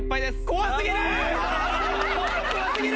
怖すぎる！